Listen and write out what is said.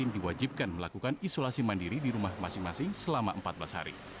diwajibkan melakukan isolasi mandiri di rumah masing masing selama empat belas hari